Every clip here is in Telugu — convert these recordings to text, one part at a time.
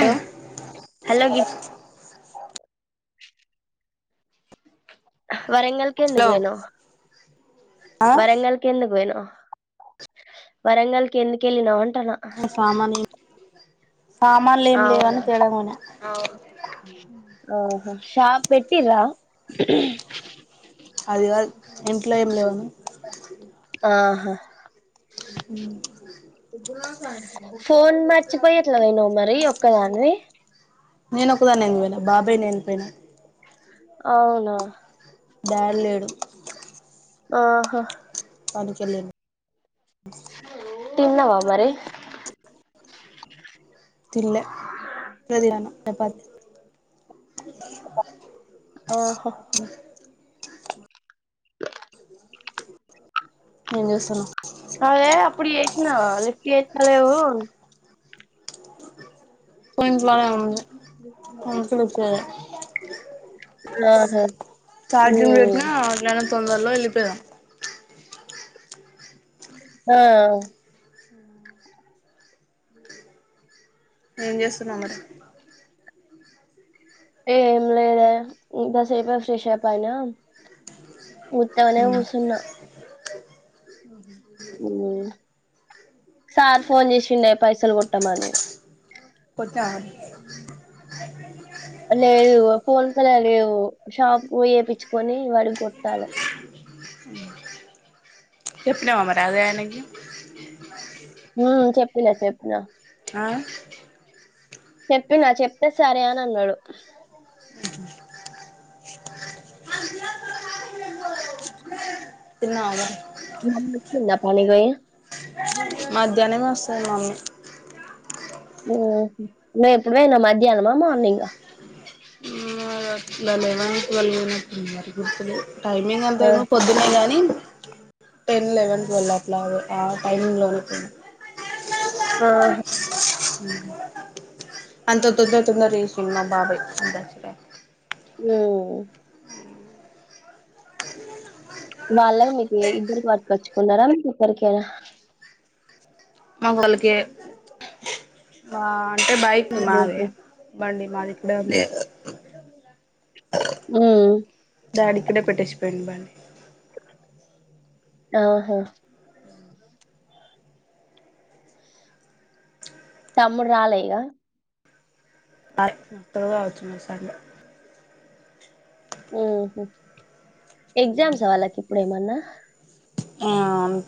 హలో హలో వరంగల్ కి ఎందుకు పోయినవ్ ఆ వరంగల్ కి ఎందుకు పోయినవ్ వరంగల్కి ఎందుకు ఏలినవ్ అ సామాని సమాలు ఏం లెవ్ అవునా అని తేడాకిపోయినా పెట్టిర అదిగా ఆహా అ [unintelligible] ఫోన్ మర్చిపోయి ఎట్లా పోయినవ్ మరి ఒక్కదానివి నేను ఒక్కడినే ఎందుకు పోయిన బాబాయ్ నేనపోయినా [inaudible] దడలేడు ఆహ పనికి ఏలిండు తిన్నావా మరి తిన్నాల్ ఎపుడు చపాతీ ఆఓహో ఏం చేస్తున్నావ్ అదే అప్పుడు నావా లిఫ్ట్ చేస్తలేవు పోయి వళ [unintelligible] ఆహా చార్జంగ్ ఉమ్ పెట్టిన నా తొందరలో వెళ్లిపోయానా ఆ ఏం చేస్తున్నావ్ మరి ఏం లేద ఇంతసేపు ఫ్రెష్ అప్ అయినా ఉత్తాగానే కూసున్నా ఉమ్ సార్ ఫోన్ చేసిండే పైసలు కొట్టమని కొట్టినావా లేదు ఫోన్ పే లో లేవు షాప్ చేేయిచ్చుకొని వాడి కొట్టాలి చెప్పినావా మరి అదే అయినాకి హ చెప్పిన చెప్పిన ఆ చెప్పిన చెప్తే సరే అని అన్నాడు తిన్నావా మా వచ్చిందా పనికి పోయి మధ్యాహ్నమే వస్తంది మమ్మీ ఉమ్ ను ఇప్పుడువేన్న మధ్యాహ్నమా మార్నింగ్ ఆ లా లేవా వాళ్ళ గుతులు టైమింగ్ ఎంతయి పొద్దునే గానీ టెన్ లెవెన్ ట్వెల్వ్ అట్లా ఆ టైమింగ్ లో నే ప్పుడైనా ఆహా అంత తొందర్ తొందర్ చేసిండు మా బాబాయ్ దంచుడే ఉమ్ వాళ్ళ మీకు ఎఇద్దరికి పట్కొచ్చుకున్నారా మీ ఓక్కరికెనా మొగోళ్ళకే వా అంటే బైక్ మాదే ఉహు. బండి మాది కూడా లేదు ఊ డాడీ ఇక్కడే పెట్టేసి పోయిండు బండి ఆహా తమ్ముడు రాలే ఇగా అటు ఆ వచ్చినాడ్ సండే ఉహూ ఎగ్జామ్స్ ఆ వాళ్ళకి ఇప్పుడు ఏమన్నా ఆ అంట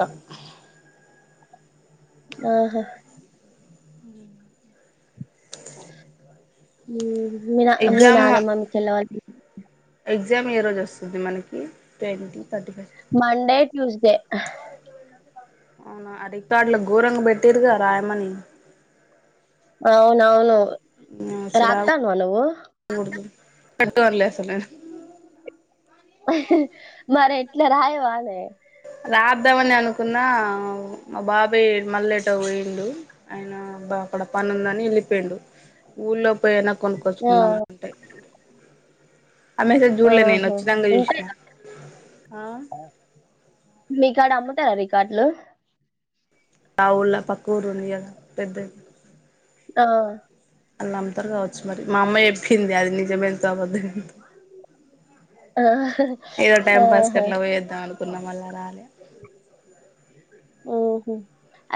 ఆహా ఉహు మీనా మీ ఎగ్జామ్ నానమ్మ మీ కెళ్ళవాలి ఎగ్జామ్ ఏ రోజు వస్తుంది మనకి ట్వంటి మండే ట్యూస్ దె అవునా అ రికార్డులు ఘోరంగ పెట్టిరుగా రాయమని అవునవును రాత్తన్నావా నువ్వు కట్టు అని లేసానే మరి ఎట్ల రాయవానే రాద్దామని అనుకున్న మా బాబాయ్ మళ్ళెటో పోండు ఆయన బ డపని ఉందని వెళ్ళిపోండు ఊళ్ళో పోయినా ఆ కొనుక్కొచ్చుకున్నాం అంటే ఆ మెసేజ్ జూడలే నేను ఆహా వచ్చినాక ఉంటాయా చూసినా ఆ మీకాడ అమ్ముతారా రికార్డులు ఆ ఉళ్ళ పక్క ఊరు ఉంది కదా పెద్దది ఆ అన్న అంతరు కావచ్చు మరి మా అమ్మాయి ఎప్పింది అది నీ జమేత్తము అంది ఆహ ఆహా కున్న మళ్ళ రాలే ఉహూ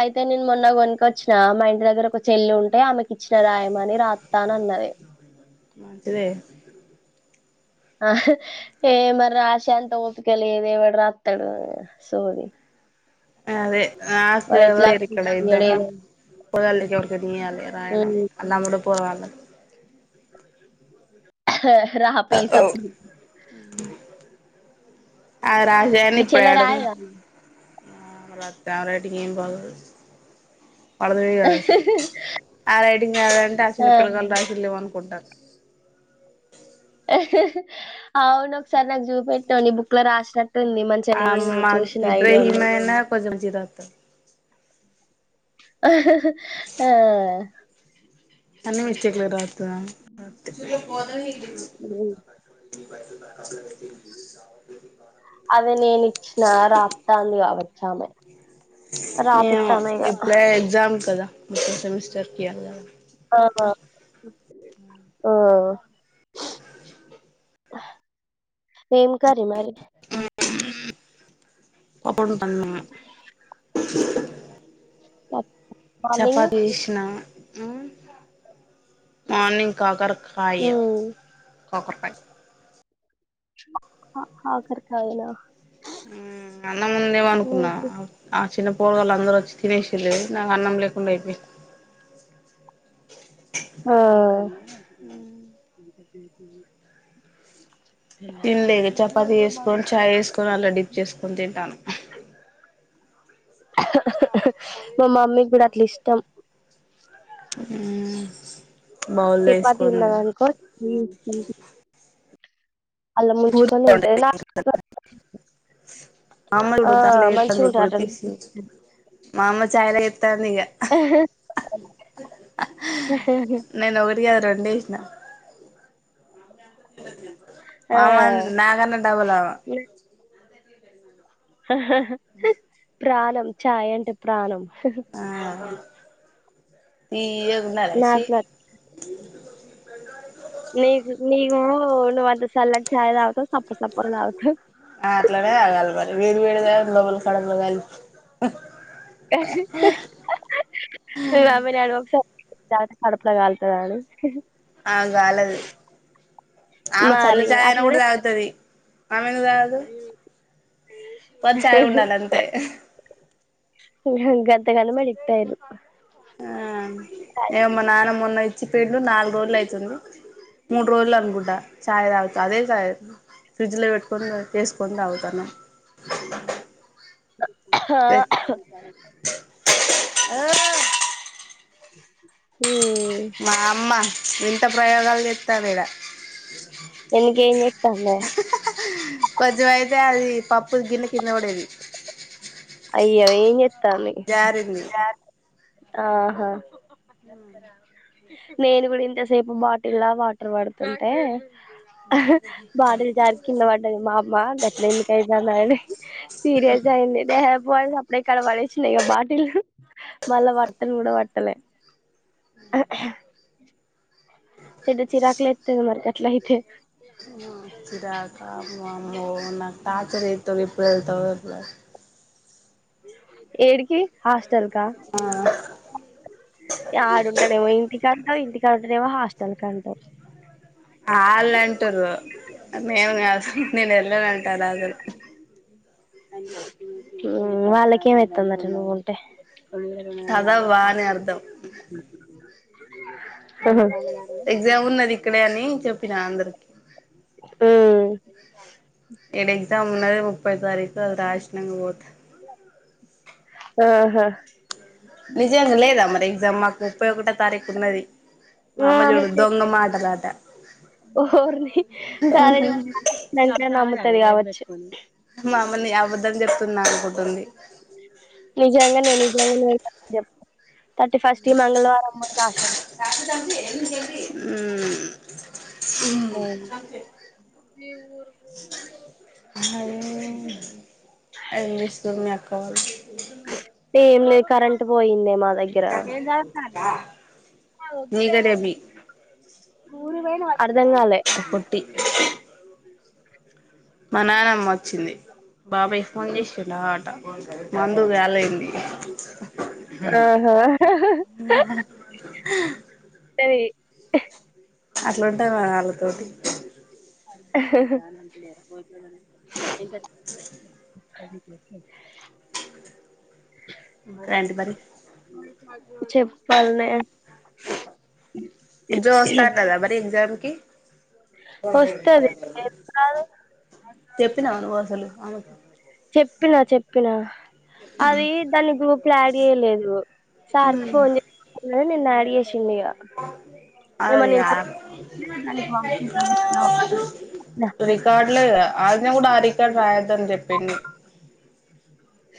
అయితే నేను మొన్న కొనుకొచ్చిన మా ఇంటి దగ్గర ఒక చెల్లి ఉంటే ఆమెకి ఇచ్చిన రాయమని రాత్తా అని అన్నది మంచిదే ఆ ఏ మరి రాసే అంత ఓపిక లేదే వాడు రాస్తాడు సోది అదే ఆసే వాడు ఎట్లాగో వరిక్కడ తిట్టియ్యడు ఏదో ఇద్దామంత ప నయణం మ్ అలా పోవాలి హ రా ప ఈస ఆ రాజా అన్న మీ ఇప్పుడ చెల్లె ఆడు రాయదా త రేటింగ బగు పడదవి కాదు అస ఆ రైటింగ్ కాదంటే ఆ చిన్న పిల్లగాలు రాసలు లేవ అనుకుంటారు అవును ఒకసారి నాకు చూపెట్నావు న బుక్ లో రాసి ఆ మా ఇబ్రహీమ్ ఉన్నది అయినా కొంచెం జరాతో ఆ అనిమి ఇచ్చ చెక్లే రా ప స్ అదే నేను ఇచ్చిన రాతంది కాబట్టి చామే ఏమో ఇప్పుడే ఎగ్జామ్స్ సద ప్రతి సెమిస్టర్ కి ఇయాల కదా ఆ ఒ ఏం కరీ మరి అప్పుడు అ పప్ చపాతి చేసిన ఊ మార్నింగ్ కాకర కాయ ఉమ్ కొకరకాయ్ అ కాకర్ కాయల ఊ అన్న ముందే వండుకున్నా చిన్న పోర గాళ్ అందరు వచ్చి తినేసిన్ లు గద నాక్ అన్నంలే వున్నాయి ఆ తిన్లేదే చపాతి వేసుకొని చాయ్ వేసుకొని అలా డిప్ చేసుకొని తింటన మామమ్మీకి కూడా అట్ల ఇష్టం ఊ చెపాతి తిన్నది అనుకో ఊ ఊహు అళ్లా పూరి ముంచుకొని ఉంటది వండేది మా అమ్మ ఆ చూడు అట్ల మంచి చేత్తంది ఇప్పుడు ఉంటదట తీసి మా అమ్మ చాయ్లా చేత్తంది ఇగ దియా రెండేసిన ఆ హ [inaudible] అమ నాగన్న డబులమ ఈతరు ప్రాణం. చాయ్ అంటే ప్రాణం. ఏ ఓప్ ఉన్నరా షి నాకు గంగరుకో నిక్ నీవు నువ్ అంత సల్లాట్ చాయ్ తాగుతవ్ ఆ అట్లనే తాగాల్ మరి వేడి వేడిదే లోప్ [unintelligible] కడవయ్యాలి హు నువ్ నమీనాన్ ఒకసార్ తర్వాత కడుపలా గాల్తడాడు ఆవకిగాలదు. ఆవ మరి చల్లఛాయయినా అట్లనే గూడాదగుతది. అమెందుక్దగదు ఫస్చయ్ ఉండాలాంతే గం గంతగానం ఎడిక్ట్ అయ్రు ఆహ్ ఏ మా నానమ్ మొన్న ఇచ్చి పెయిండు నాలుగు రోజులు అయితుంది. మూడు రోజులు అనుకున్ట చాయ్ తాగుతాఅదే చాయ్. ఫ్రిడ్జ్లో పెట్టుకొని చేసుకొని తాగుతన్న. ఆహ్ మా అమ్మ వింత ప్రయోగాలు చేత్తాలు ఈడ ఏనీకే ఏం చేత్తందే కొంచం అయితే. అది పప్పుద్ గిన్నె కింద పడేది. అయ్యో ఏం చేత్ తన్ది జారింది ఆహా అట్ట జరుగుతున్నయాను నేను గూడా ఇంతసేపు బాటిల్లా వాటర్ పడుతుంటే ఆహాహ్ బాటిల్ జారి కింద పడ్డాది. మా అమ్మ గట్లెందుకైతందనీ. సీర్యస్ అయింది నే ఏ మాల్ సప్పుడేకడ పడేసిన ఇగా బటిల్ మల్ల వాట్టన్ గూడా వాట్ ట్టలే చెడ చిరాకులేత్తది మరి ఇట్ల హియితే వామ్మో నాకు టాచర్ చేస్తది ఎప్పుడు వెల్త వె ఎప్పుడు ఏడికి హాస్టల్కా ఆ ఆడుండడేమో ఇంటికాడ ఇంటి టికాడనె హాస్టల్ కంట అళ్ళంటు నేను కాదు నేను వెళ్ళను అంటాను అసలు వాళ్ళకేమైతుందట నువ్వు ఉంటే కదా వాని అర్థం ఉహు ఎగ్జామ్ ఉన్నది ఇక్కడే అని చెప్పిన అందరికి మ్ ఏడ ఎక్జామ్ ఉన్నది ముప్పై తారీకు అది రాసిినంగ పోతా ఆహా ఎక్జామ్ మాకు ముప్పై ఒకటో తారీఖు ఉన్నది మా ఉమ్ అమ్మ చూడు నమ్కు దొంగ మాటలాట ఓర్ని కాలేజీ వచ్చినాక నమ్ముతది కావచ్చు వస్తున్నా అనుకుంటుంది. నిజంగానే నీకెవరు లేరని చెప్పు తర్టి ఫస్ట్ మంగళవారం మందు ఆశ మ్ ఉహు నువ్వుఅది హ యె ఏం చెస్తుంది మీ అక్క పాల్ ఏం లేద్ కరెంట్ ట్ పోయిందే మా దగ్గర నీగరేబి ఊరు పోయిన అర్ధంగాలె పొట్టి మ నానమ్మ వచ్చింది బాబయ్ ఫోన్ చేసిండు నా ఆట మందు వ్యాల ఇలి ఆహ [unintelligible] హ సరె అట్లుంటదీ మా వాళ్ళతోటి అహ్హ కా రడి మరి చెప్పాలనే జో స్టార్ట్ అద మరి ఎగ్జామ్ ఓకే వస్తది కాదు చెప్పినా నువ్వు అసలు అమె పిన అవి దాన్ని ఇప్పులు యాడ్ చేయలేదు సార్కి ఫోన్ చే యా చిిల్న్నగా అదే రికార్డు అది కూడా ఆరి ని చెప్పి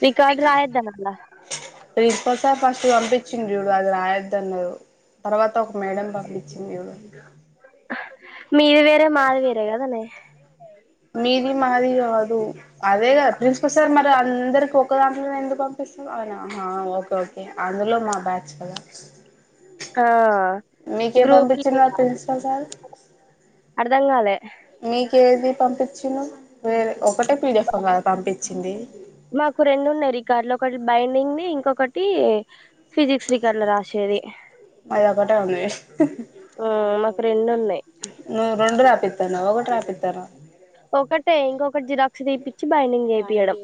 రికార్డు రాయొద్దా మళ్ళ ప్రిన్సిల్ ఫస్ట్ పంపించిండీడు అది రాయద్ద అన్నారు తర్వాత ఒక మేడం పక్కచ్చింది మీది వేరే మాది వేరే కదన్న మీది మరి అదు అదే గ ప్రన్స్కోసార్ మరి అందరికి ఒక ఒ దాంట్లో ఎందుకు పంపిస్తాను అవునా ఓకే ఓకే అందులో మా బ్యాచ్ కదా ఆ మీకేం గ్రూప్ పంపించిండు మరి ప్రిన్సిపల్ సార్ అర్ధంగాాల మీకేది పంపించిను వేరే ఒకటే పీడిఫ్ పంపించింది మాకు రెండున్నాయి ర ఈ కార్లు ఒకటి బైండింగ్ ని ఇంకొకటి ఫిజిక్స్ రికళ రాశేరి మాది ఒకటే ఉంది మాకు రెండు ఉన్నాయి తనవ్ ట్రాఫిక్ పనో ఒకటే ఇంకొకట్ జిరాక్స్ తీపిచ్చి బైండింగ్ చేప్ తీయడం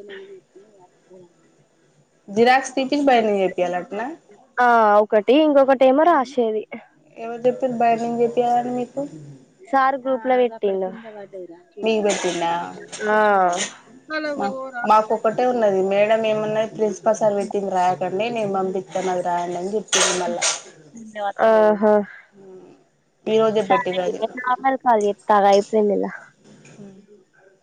జిరాక్స్ తీపిచ్చి బైండింగ్ చేపియాలంటనా ఆ ఒకటి ఇంకొకట్ ఎమొరాశేది ఎవరు చెప్పిల్ బైండింగ్ చెపియలని నీకు అవైడ్ నీకు పెట్టిండా మాక్ మాకోక్కటే ఉన్నది మేడం ఏమన్ ఉన్నాయి ప్లీస్ ప్ప సార్ వెట్టింద్ రాయకండి నేన్ పం ఇత్త నాది రాయండని చేప్ ధన్యవాదములు ఆ హా ఈ రోజే సరే పెట్టిర్రు నీక్ అది నే నార్మల్ కాల్ చేత్తాగ్ అయిపోందిగా ఉమ్